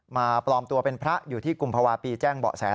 ปลอมตัวเป็นพระอยู่ที่กุมภาวะปีแจ้งเบาะแส